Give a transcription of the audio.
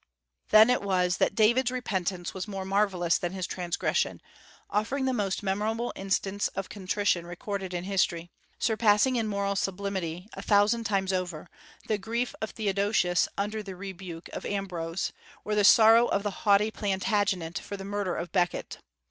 Then it was that David's repentance was more marvellous than his transgression, offering the most memorable instance of contrition recorded in history, surpassing in moral sublimity, a thousand times over, the grief of Theodosius under the rebuke of Ambrose, or the sorrow of the haughty Plantagenet for the murder of Becket.